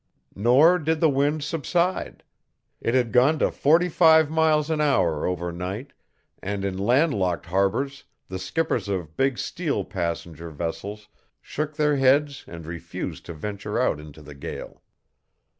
Nor did the wind subside. It had gone to forty five miles an hour over night, and in landlocked harbors the skippers of big steel passenger vessels shook their heads and refused to venture out into the gale.